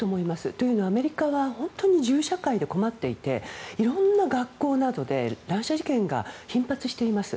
というのは、アメリカは本当に銃社会で困っていていろんな学校などで、乱射事件が頻発しています。